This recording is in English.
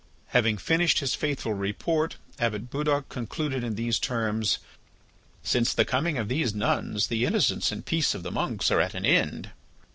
Having finished his faithful report, Abbot Budoc concluded in these terms: "Since the coming of these nuns the innocence and peace of the monks are at an end."